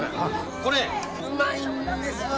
これうまいんですわ。